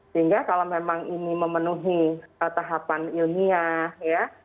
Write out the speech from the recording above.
sehingga kalau memang ini memenuhi tahapan ilmiah ya